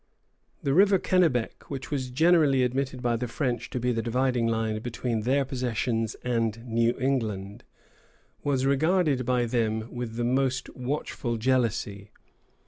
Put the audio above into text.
The river Kennebec, which was generally admitted by the French to be the dividing line between their possessions and New England, was regarded by them with the most watchful jealousy.